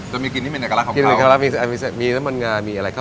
ชิมมารัยที่แล้วก็